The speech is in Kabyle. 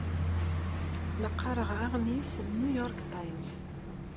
La qqareɣ aɣmis n New York Times.